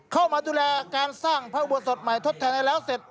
เข้ามาดูแลการสร้างพระอุโบสถใหม่ทดแทนให้แล้วเสร็จ